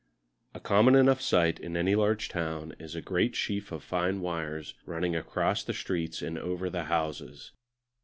A common enough sight in any large town is a great sheaf of fine wires running across the streets and over the houses.